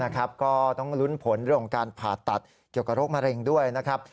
ก็ต้องลุ้นผลเรื่องของการผ่าตัดเกี่ยวกับโรคมะเร็งด้วยนะครับ